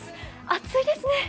暑いですね。